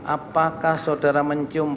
apakah saudara mencium